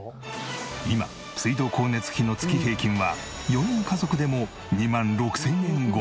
今水道光熱費の月平均は４人家族でも２万６０００円超え。